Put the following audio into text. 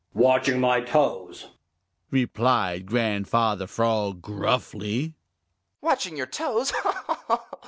"Watching my toes," replied Grandfather Frog gruffly. "Watching your toes!